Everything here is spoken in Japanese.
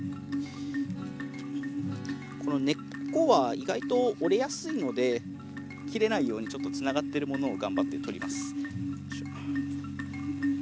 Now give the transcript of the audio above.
この根っこは意外と折れやすいので切れないようにちょっとつながってるものを頑張って採ります。